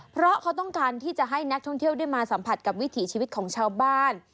เพราะเขาต้องการที่จะให้นักท่องเที่ยวได้มาสัมผัสกับวิถีชีวิตของชาวบ้าน